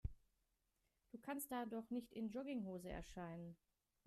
Du kannst da doch nicht in Jogginghose erscheinen.